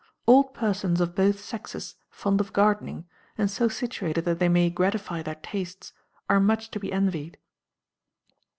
Old persons of both sexes fond of gardening, and so situated that they may gratify their tastes, are much to be envied.